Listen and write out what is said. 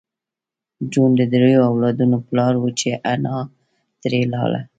جون د دریو اولادونو پلار و چې حنا ترې لاړه